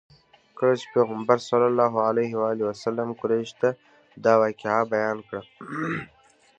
کله چې پیغمبر صلی الله علیه وسلم قریشو ته دا واقعه بیان کړه.